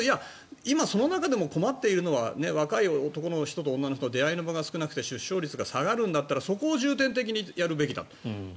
その中でも困っているのは若い男の人と女の人の出会いの場が少なくて出生率が下がるんだったらそこを重点的にやるべきだと。